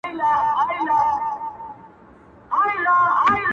o کار چي بې استا سي، بې معنا سي٫